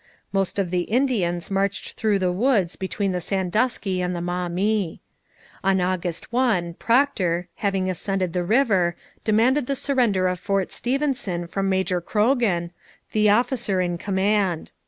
Most of the Indians marched through the woods between the Sandusky and the Maumee. On August 1 Procter, having ascended the river, demanded the surrender of Fort Stephenson from Major Croghan, the officer in command.